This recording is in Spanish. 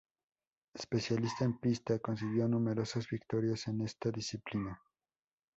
Especialista en pista, consiguió numerosas victorias en esta disciplina.